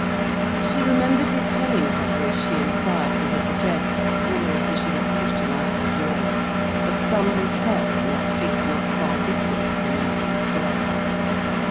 She remembered his telling her as she inquired for his address, almost as she had pushed him out of the door, of some hotel in a street not far distant from Euston Square.